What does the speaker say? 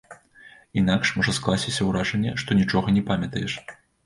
Інакш можа скласціся ўражанне, што нічога не памятаеш.